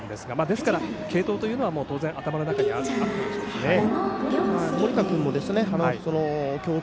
ですから継投というのは当然頭の中にあったんでしょう。